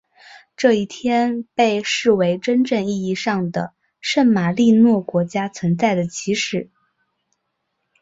这一天被视为真正意义上的圣马力诺国家存在的起始。